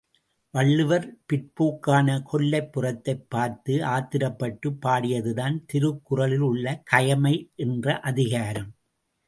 வள்ளுவர் பிற்போக்கான கொல்லைப் புறத்தைப் பார்த்து ஆத்திரப்பட்டுப் பாடியதுதான் திருக்குறளில் உள்ள கயமை என்ற அதிகாரம்.